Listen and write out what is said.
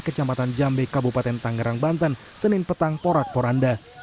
kecamatan jambe kabupaten tangerang banten senin petang porak poranda